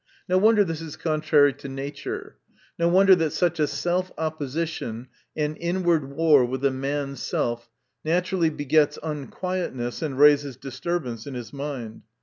No wonder, this is contrary to nature. No wonder, that such a self opposition, and inward war with a man's self, naturally begets unquietness, and raises disturbance ic his mind.